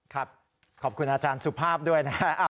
ครับขอบคุณอาจารย์สุภาพด้วยนะฮะ